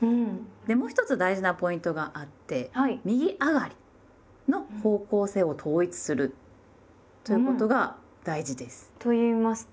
でもう一つ大事なポイントがあって右上がりの方向性を統一するということが大事です。と言いますと？